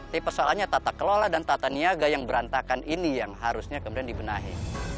tapi persoalannya tata kelola dan tata niaga yang berantakan ini yang harusnya kemudian dibenahi